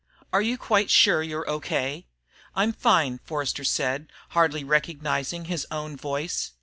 "Are you quite sure you're okay?" "I'm fine," Forster said, hardly recognizing his own voice.